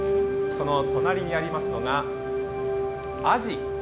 その隣にありますのがアジ。